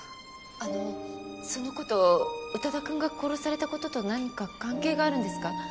あのその事宇多田くんが殺された事と何か関係があるんですか？